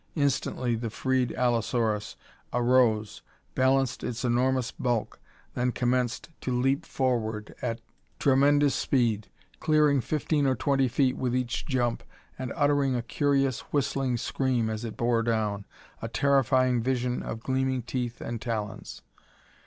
Instantly the freed allosaurus arose, balanced its enormous bulk, then commenced to leap forward at tremendous speed, clearing fifteen or twenty feet with each jump and uttering a curious, whistling scream as it bore down, a terrifying vision of gleaming teeth and talons.